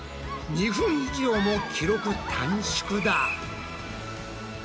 ２分以上も記録短縮だ。